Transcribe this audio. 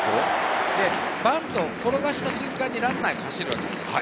バントを転がした瞬間にランナーが走るわけじゃないですか。